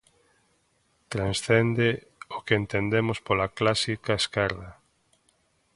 Transcende o que entendemos pola clásica esquerda.